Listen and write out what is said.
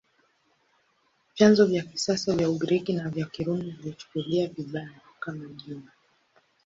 Vyanzo vya kisasa vya Ugiriki na vya Kirumi viliichukulia vibaya, kama jina.